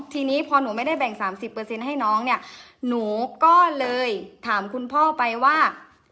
ทีนี้พอหนูไม่ได้แบ่งสามสิบเปอร์เซ็นต์ให้น้องเนี้ยหนูก็เลยถามคุณพ่อไปว่า